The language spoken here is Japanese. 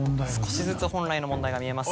少しずつ本来の問題が見えます。